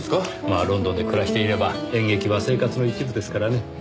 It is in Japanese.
まあロンドンで暮らしていれば演劇は生活の一部ですからね。